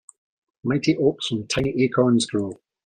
Mighty oaks from tiny acorns grow.